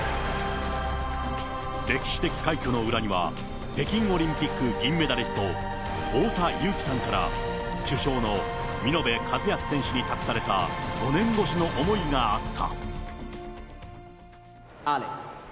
歴史的快挙の裏には、北京オリンピック銀メダリスト、太田雄貴さんから主将の見延和靖選手に託された５年越しの思いがあった。